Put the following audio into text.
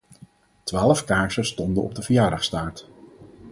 Twaalf kaarsen stonden op de verjaardagstaart.